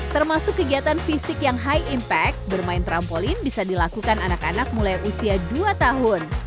termasuk kegiatan fisik yang high impact bermain trampolin bisa dilakukan anak anak mulai usia dua tahun